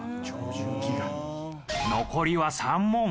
残りは３問。